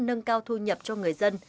nâng cao thu nhập cho người dân